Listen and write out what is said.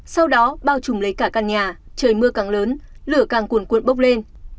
sau đó bao trùm lấy cả căn nhà trời mưa càng lớn lửa càng cuồn cuộn bốc lên